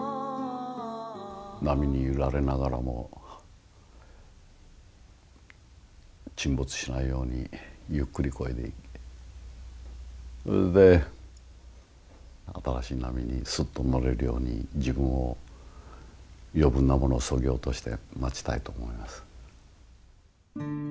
波に揺られながらも、沈没しないようにゆっくりこいで、それで新しい波にすっと乗れるように、自分を、余分なものをそぎ落として待ちたいと思います。